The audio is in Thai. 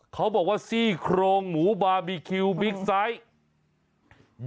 เขาบอกว่าซี่โครงหมูบาร์บีคิวบิ๊กไซต์